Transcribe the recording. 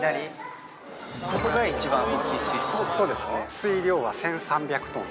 水量は１３００トン。